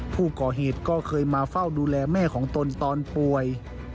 ผู้ก่อเหตุก็เคยมาเฝ้าดูแลแม่ของตนตอนป่วย